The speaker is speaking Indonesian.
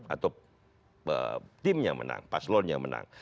atau timnya menang paslonnya menang